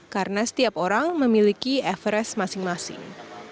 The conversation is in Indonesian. karena setiap orang memiliki efres masing masing